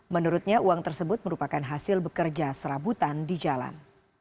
menurutnya uang tersebut merupakan hasil bekerja serabutan di jalan